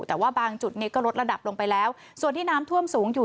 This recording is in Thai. แต่ว่าบางจุดนี้ก็ลดระดับลงไปแล้วส่วนที่น้ำท่วมสูงอยู่